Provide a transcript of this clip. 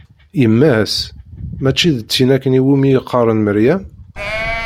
Yemma-s, mačči d tin akken iwumi i qqaren Meryem?